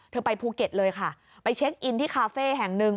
ไปภูเก็ตเลยค่ะไปเช็คอินที่คาเฟ่แห่งหนึ่ง